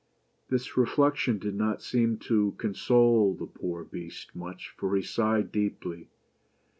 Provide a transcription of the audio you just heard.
This reflection did not seem to console the poor Beast much, for he sighed deeply.